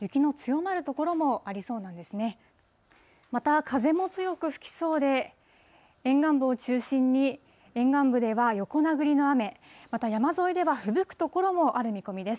また風も強く吹きそうで、沿岸部を中心に、沿岸部では横殴りの雨、また、山沿いではふぶく所もある見込みです。